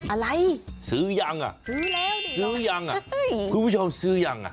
อะไรซื้อยังอ่ะซื้อแล้วดิซื้อยังอ่ะคุณผู้ชมซื้อยังอ่ะ